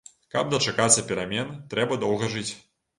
Каб дачакацца перамен, трэба доўга жыць.